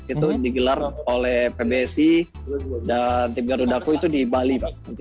itu digelar oleh pbsi dan tim garudaku itu di bali